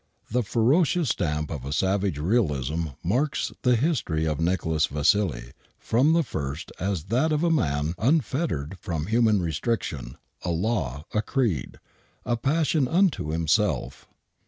The ferocious stamp of a savage realism marks the history of Nicholas Vassili from the first as that of a man unfettered from human restriction, a law, a creed, a passion unto himself.